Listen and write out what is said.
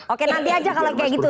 oke nanti aja kalau kayak gitu